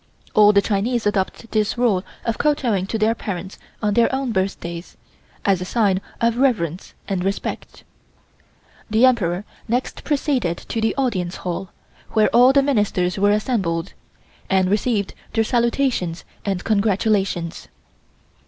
All the Chinese adopt this rule of kowtowing to their parents on their own birthdays, as a sign of reverence and respect. The Emperor next proceeded to the Audience Hall, where all the Ministers were assembled, and received their salutations and congratulations.